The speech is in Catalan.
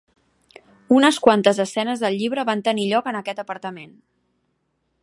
Unes quantes escenes del llibre van tenir lloc en aquest apartament.